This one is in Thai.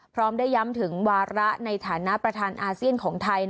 พร้อมได้ย้ำถึงวาระในฐานะประธานอาเซียนของไทย